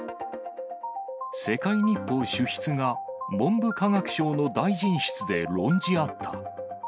世界日報主筆が、文部科学省の大臣室で論じ合った。